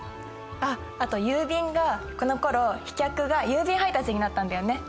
あっあと郵便がこのころ飛脚が郵便配達になったんだよね？